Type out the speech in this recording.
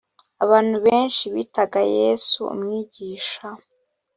abantu benshi bitaga yesu umwigisha